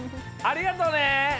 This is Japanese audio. ありがとう！